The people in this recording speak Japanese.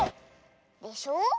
でしょ。